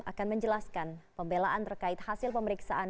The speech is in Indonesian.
akan menjelaskan pembelaan terkait hasil pemeriksaan